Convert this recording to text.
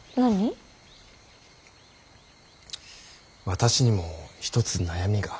私にも一つ悩みが。